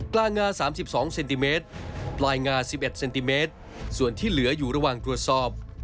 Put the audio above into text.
กลางงา๓๒เซนติเมตรปลายงา๑๑เซนติเมตรส่วนที่เหลืออยู่ระหว่างตรวจสอบ